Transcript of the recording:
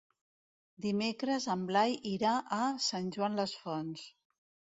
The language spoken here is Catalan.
Dimecres en Blai irà a Sant Joan les Fonts.